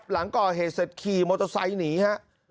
หลังก่อเหตุเสร็จขี่มอเตอร์ไซค์หนีฮะ